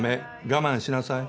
我慢しなさい。